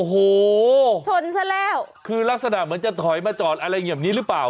โอโหชนเสียแล้วคือลักษณะเหมือนจะถอยมาจอนอะไรเงี่ยมนี้รึเปล่า